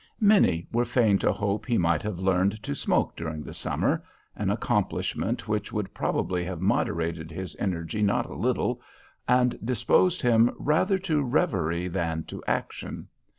Many were fain to hope he might have learned to smoke during the summer, an accomplishment which would probably have moderated his energy not a little, and disposed him rather to reverie than to action.